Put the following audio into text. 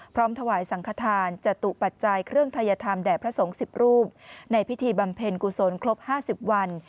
พร้อมถวายสังขทานจตุปัจจัยเครื่องทัยธรรมแด่พระสงฆ์๑๐รูปในพิธีบำเพ็ญกุศลครบ๕๐วัน